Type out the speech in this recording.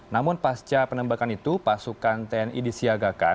namun pasca penembakan itu pasukan tni disiagakan